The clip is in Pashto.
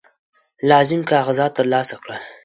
لازم کاغذات ترلاسه کړل.